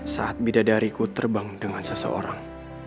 saat bidadariku terbang dengan seseorang